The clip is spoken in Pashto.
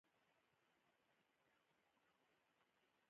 دا عوامل انګریزي تسلط کمزوري کړي، پیکه کړي او بې ارزښته کړي وو.